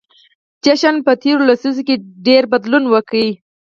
چین په تیرو لسیزو کې ډېر بدلون وکړ.